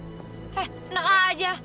eh enak aja